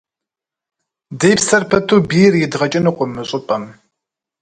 Ди псэр пыту бийр идгъэкӏынукъым мы щӏыпӏэм.